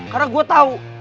karena gua tau